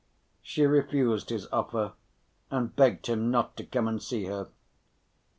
She refused his offer and begged him not to come and see her.